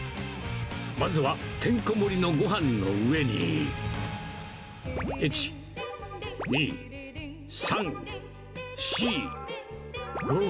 まずはてんこ盛りのごはんの上に、１、２、３、４、５。